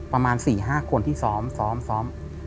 ประมาณสี่ห้าคนที่ซ้อมซ้อมซ้อม